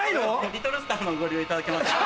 リトルスターのご利用いただけますので。